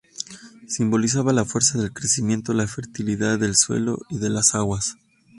Simbolizaba la fuerza del crecimiento, la fertilidad del suelo y de las aguas.